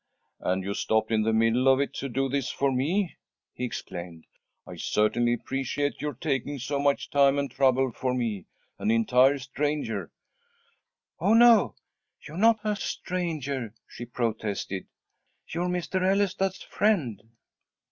"And you stopped in the middle of it to do this for me!" he exclaimed. "I certainly appreciate your taking so much time and trouble for me an entire stranger." "Oh, no! You're not a stranger," she protested. "You're Mr. Ellestad's friend."